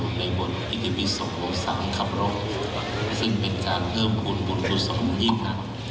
อยู่ในบริกฤพศุโศงสำคับโรคซึ่งเป็นการเพิ่มหุ้นบุตรเศร้าครวงยิ่ง